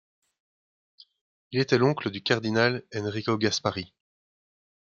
Il était l'oncle du cardinal Enrico Gasparri.